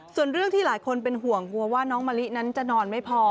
ส่วนเรื่องที่หลายคนเป็นห่วงกลัวว่าน้องมะลินั้นจะนอนไม่พอ